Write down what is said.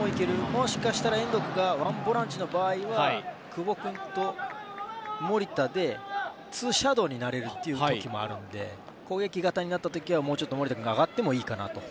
もしかしたら遠藤君が１ボランチの場合は久保君と守田で２シャドーになれる時もあるので攻撃型になった時はもう少し守田君が上がっても。